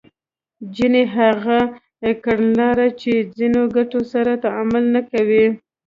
جیني هغه کړنلاره چې ځینو ګټو سره تعامل نه کوي